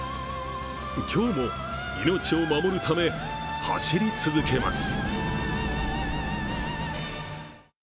今日も命を守るため、走り続けます。